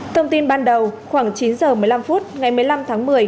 thông tin ban đầu khoảng chín h một mươi năm phút ngày một mươi năm tháng một mươi